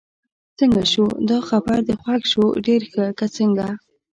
څنګه شو، دا خبر دې خوښ شو؟ ډېر ښه، که څنګه؟